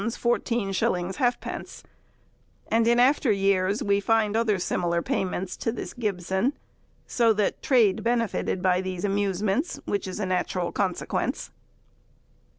_; and, in after years, we find other similar payments to this Gybson; so that trade benefited by these amusements, which is a natural consequence.